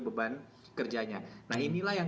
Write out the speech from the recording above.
beban kerjanya nah inilah yang